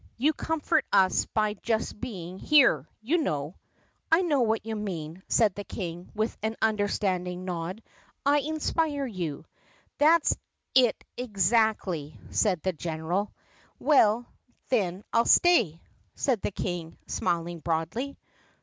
You comfort us by just being here, you —" "I know what you mean," said the King with an understand ing nod; "I inspire you." "That 's it exactly," said the general. "Well, then, I 'll stay," said the King smiling broadly.